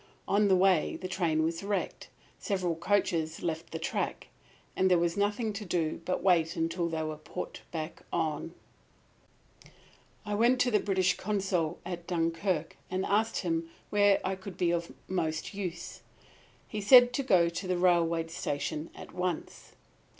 On the way the train was wrecked. Several coaches left the track, and there was nothing to do but to wait until they were put back on. "I went to the British Consul at Dunkirk and asked him where I could be most useful. He said to go to the railroad station at once.